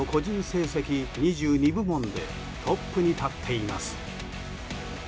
成績２２部門でトップに立っています。